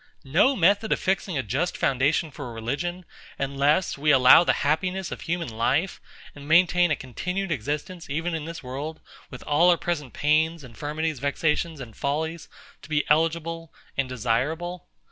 no method of fixing a just foundation for religion, unless we allow the happiness of human life, and maintain a continued existence even in this world, with all our present pains, infirmities, vexations, and follies, to be eligible and desirable!